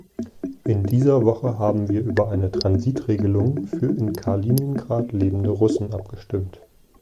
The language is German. In dieser Woche haben wir über eine Transitregelung für in Kaliningrad lebende Russen abgestimmt.